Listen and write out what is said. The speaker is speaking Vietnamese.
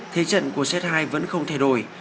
thế trận của xét hai vẫn không thay đổi